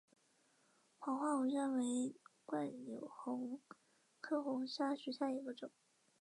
黄花红砂为柽柳科红砂属下的一个种。